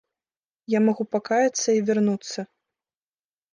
Я магу пакаяцца і вярнуцца.